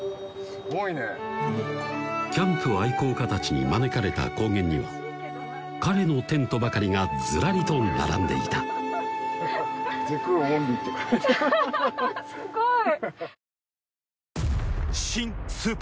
すごいねキャンプ愛好家たちに招かれた高原には彼のテントばかりがずらりと並んでいたゼクーオンリーってハハハハハハすごい！